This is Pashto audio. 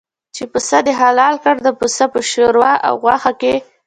چې پسه دې حلال کړ د پسه په شوروا او غوښه کې.